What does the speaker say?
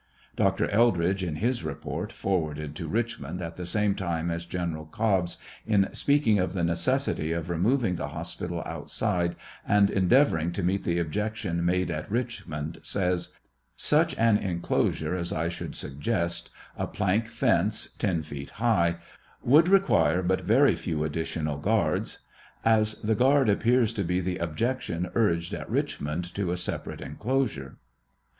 Dr. Eldridge, in his report, forwarded to Richmond at the same time as G en eral Cobb's, in speaking of the necessity of removing the hospital outside and endeavoring to meet the objections made at Richmond, says: Such an enclosure as I should suggest — a plank fence ten feet high — would require but very, few additional guards, as the guard appears to be the objection urged at Richmond to a sep arate enclosure.